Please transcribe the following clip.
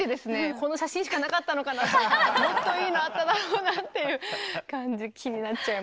この写真しかなかったのかなともっといいのあっただろうなっていう感じ気になっちゃいますけど。